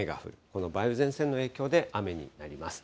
この梅雨前線の影響で、雨になります。